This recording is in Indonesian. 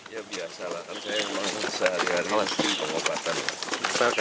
kondisi hari ini bagaimana pak